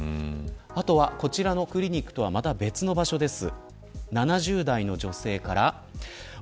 あとは、こちらのクリニックとはまた別の場所です。